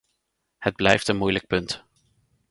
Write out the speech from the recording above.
Het blijft een moeilijk punt.